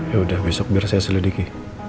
yaudah besok biar saya selidiki